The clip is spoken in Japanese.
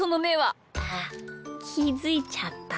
あっきづいちゃった？